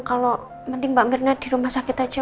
kalau mending mbak mirna di rumah sakit aja